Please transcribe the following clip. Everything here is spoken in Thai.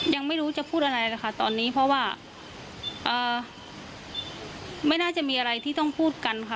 ยังไม่รู้จะพูดอะไรนะคะตอนนี้เพราะว่าไม่น่าจะมีอะไรที่ต้องพูดกันค่ะ